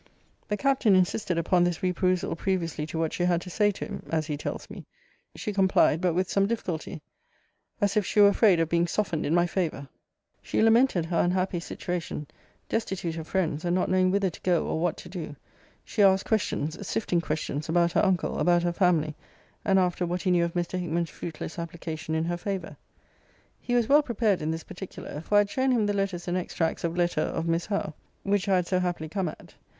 The Captain insisted upon this re perusal previously to what she had to say to him, as he tells me. She complied, but with some difficulty; as if she were afraid of being softened in my favour. She lamented her unhappy situation; destitute of friends, and not knowing whither to go, or what to do. She asked questions, sifting questions, about her uncle, about her family, and after what he knew of Mr. Hickman's fruitless application in her favour. He was well prepared in this particular; for I had shown him the letters and extracts of letter of Miss Howe, which I had so happily come at.